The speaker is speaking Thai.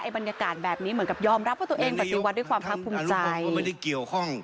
บรรยากาศแบบนี้เหมือนกับยอมรับว่าตัวเองปฏิวัติด้วยความภาคภูมิใจ